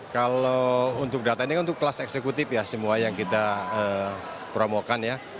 kalau untuk data ini kan untuk kelas eksekutif ya semua yang kita promokan ya